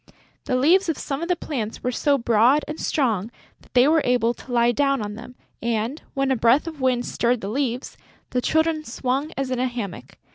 The leaves of some of the plants were so broad and strong that they were able to lie down on them; and, when a breath of wind stirred the leaves, the Children swung as in a hammock.